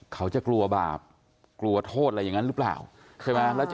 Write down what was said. เขาจะกลัวบาปกลัวโทษอะไรอย่างนั้นหรือเปล่าใช่ไหม